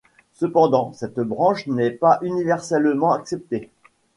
Cependant cette branche n'est pas universellement acceptée.